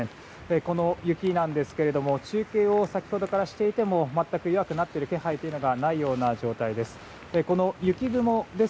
この雪なんですが、中継を先ほどからしていても弱くなる気配がないような状態です。